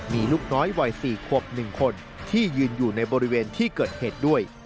มีลูกน้อยวัย๔ขวบ๑คนที่ยืนอยู่ในบริเวณที่เกิดเหตุด้วย